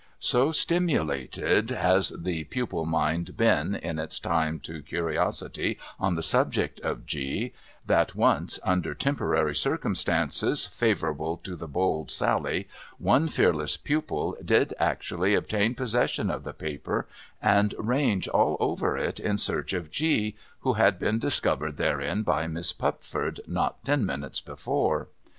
So stimulated has the pupil mind been in its time to curiosity on the subject of G, that once, under temporary circumstances favourable to the bold sally, one fearless pupil did actually obtain possession of the paper, and range all over it in search of G, who had been discovered therein by Aliss Pupford not ten minutes before.